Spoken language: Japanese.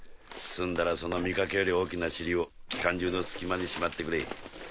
済んだらその見かけより大きな尻を機関銃の隙間にしまってくれ。